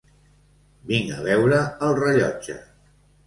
Vinc a veure el rellotge.